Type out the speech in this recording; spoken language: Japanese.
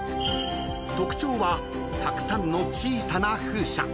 ［特徴はたくさんの小さな風車］